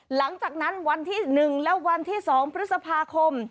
หลังจากนั้นวันที่๑และวันที่๒พฤษภาคม